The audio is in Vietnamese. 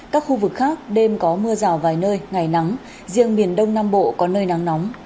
các khu vực khác đêm có mưa rào vài nơi ngày nắng riêng miền đông nam bộ có nơi nắng nóng